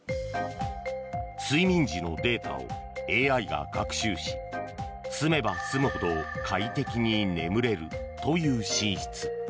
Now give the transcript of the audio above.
睡眠時のデータをＡＩが学習し住めば住むほど快適に眠れるという寝室。